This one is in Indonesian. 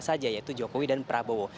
saja yaitu jokowi dan prabowo